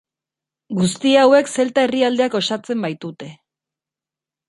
Guzti hauek zelta herrialdeak osatzen baitute.